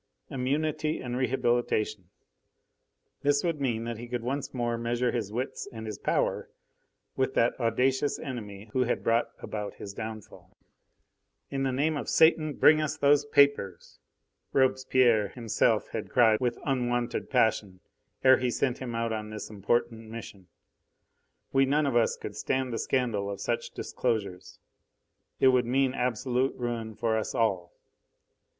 Immunity and rehabilitation! This would mean that he could once more measure his wits and his power with that audacious enemy who had brought about his downfall. "In the name of Satan, bring us those papers!" Robespierre himself had cried with unwonted passion, ere he sent him out on this important mission. "We none of us could stand the scandal of such disclosures. It would mean absolute ruin for us all."